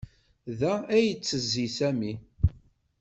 Da ay yettezzi Sami.